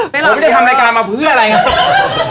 ผมไม่ได้ทำรายการมาเพื่ออะไรนะ